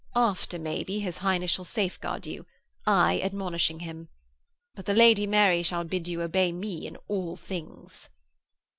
After, maybe, his Highness shall safeguard you, I admonishing him. But the Lady Mary shall bid you obey me in all things.'